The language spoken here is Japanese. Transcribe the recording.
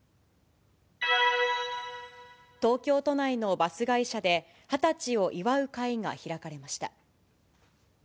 東京都内のバス会社で、二十歳を祝う会が開かれました。